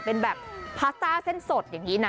เป็นแบบพาสต้าเส้นสดอย่างนี้นะ